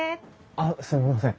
あっすみません。